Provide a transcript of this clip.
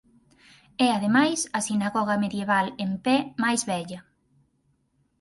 É ademais a sinagoga medieval en pé máis vella.